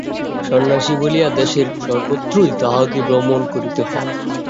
সন্ন্যাসী বলিয়া দেশের সর্বত্রই তাঁহাকে ভ্রমণ করিতে হয়।